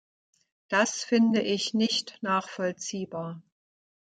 Das finde ich nicht nachvollziehbar.